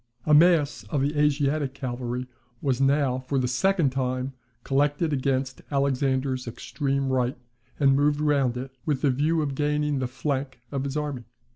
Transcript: A mass of the Asiatic cavalry was now, for the second time, collected against Alexander's extreme right, and moved round it, with the view of gaining the flank of his army.